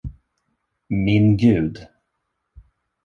Min Gud!